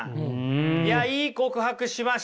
いやいい告白しました。ね。